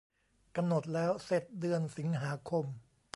กำหนดแล้วเสร็จเดือนสิงหาคม